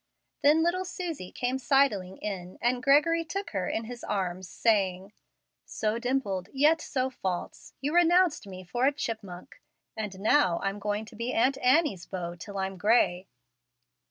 Then little Susie came sidling in, and Gregory took her in his arms, saying, "So dimpled, yet so false, you renounced me for a chipmonk; and now I am going to be Aunt Annie's beau till I'm gray."